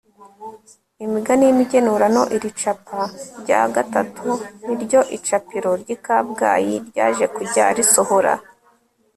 imigani y'imigenurano. iri capa rya gatatu ni ryo icapiro ry'i kabgayi ryaje kujya risohora